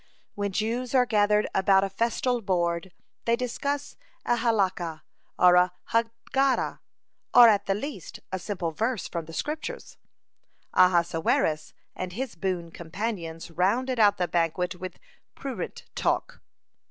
When Jews are gathered about a festal board, they discuss a Halakah, or a Haggadah, or, at the least, a simple verse from the Scriptures. Ahasuerus and his boon companions rounded out the banquet with prurient talk.